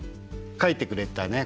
書いてくれたね